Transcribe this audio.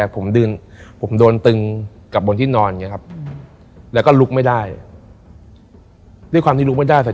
ผมโดนตึงกลับบนที่นอนอย่างนี้ครับแล้วก็ลุกไม่ได้ด้วยความที่ลุกไม่ได้แต่